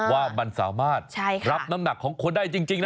ว่ามันสามารถรับน้ำหนักของคนได้จริงนะ